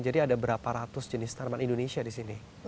jadi ada berapa ratus jenis tanaman indonesia di sini